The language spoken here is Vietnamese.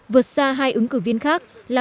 vượt xa hai ứng cử viên khác là